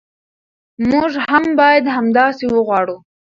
موږ هم باید همداسې وغواړو.